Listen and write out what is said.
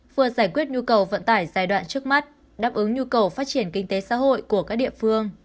vừa giải quyết nhu cầu vận tải giai đoạn trước mắt đáp ứng nhu cầu phát triển kinh tế xã hội của các địa phương